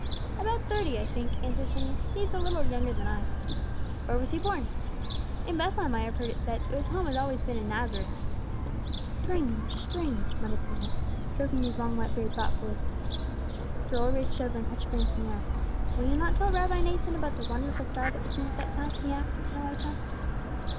"About thirty, I think," answered Phineas. "He is a little younger than I." "Where was he born?" "In Bethlehem, I have heard it said, though his home has always been in Nazareth." "Strange, strange!" muttered the man, stroking his long white beard thoughtfully. Joel reached over and touched Phineas on the arm. "Will you not tell Rabbi Nathan about the wonderful star that was seen at that time?" he asked, in a low tone.